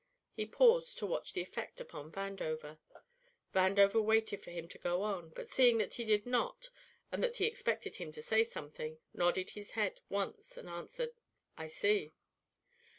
He paused to watch the effect upon Vandover. Vandover waited for him to go on, but seeing that he did not and that he expected him to say something, nodded his head once and answered: "I see."